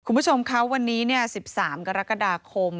คุณผู้ชมคะวันนี้๑๓กรกฎาคม